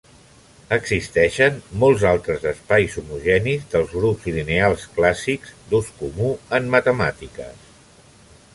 Existeixen molts altres espais homogenis dels grups lineals clàssics, d'ús comú en matemàtiques.